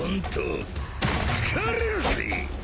疲れるぜ！